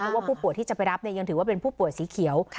ว่าผู้ป่วยที่จะไปรับยังถือว่าเป็นผู้ป่วยสีเขียว